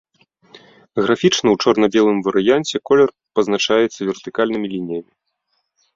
Графічна ў чорна-белым варыянце колер пазначаецца вертыкальнымі лініямі.